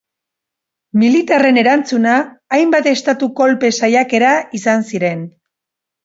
Militarren erantzuna hainbat estatu-kolpe saiakera izan ziren.